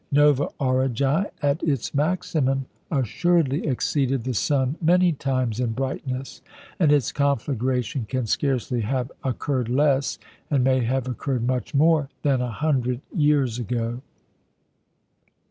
Nova Aurigæ at its maximum assuredly exceeded the sun many times in brightness; and its conflagration can scarcely have occurred less, and may have occurred much more, than a hundred years ago.